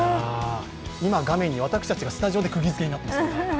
今、画面に私たちがスタジオでくぎづけになっています。